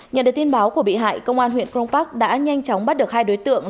nhận được tin báo của bị hại công an huyện cron park đã nhanh chóng bắt được hai đối tượng